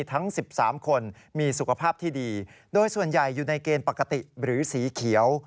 ทั้ง๑๓คนมีสุขภาพที่ดีโดยส่วนใหญ่อยู่ในเกณฑ์ปกติหรือสีเขียว